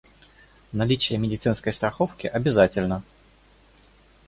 Наличие медицинской страховки обязательно.